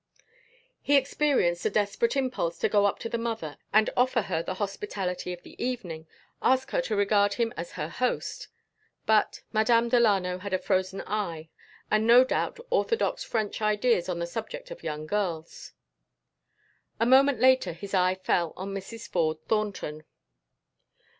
He experienced a desperate impulse to go up to the mother and offer her the hospitality of the evening, ask her to regard him as her host. But Madame Delano had a frozen eye, and no doubt orthodox French ideas on the subject of young girls. A moment later his eye fell on Mrs. Ford Thornton.